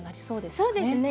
そうですね